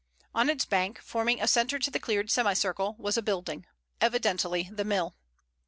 On its bank, forming a center to the cleared semicircle, was a building, evidently the mill.